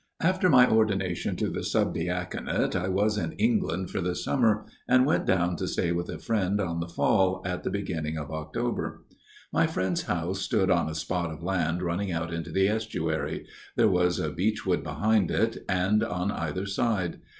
" After my ordination to the subdiaconate I was in England for the summer and went down to stay with a friend on the Fal, at the beginning of October. 53 54 A MIRROR OF SHALOTT " My friend's house stood on a spot of land running out into the estuary ; there was a beech wood behind it and on either side.